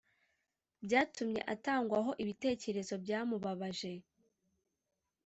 byatumye atangwaho ibitekerezo byamubabaje